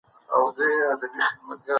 دستي مي زنګ درته وواهه.